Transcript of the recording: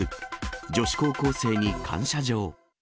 女子高校生に感謝状。